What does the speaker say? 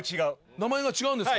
名前が違うんですか？